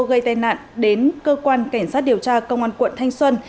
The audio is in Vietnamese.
gây tai nạn đến cơ quan cảnh sát điều tra công an quận thanh xuân